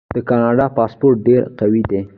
د کاناډا پاسپورت ډیر قوي دی.